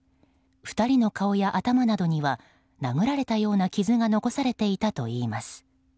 ２人の顔や頭などには殴られたような傷が残っていたといいます。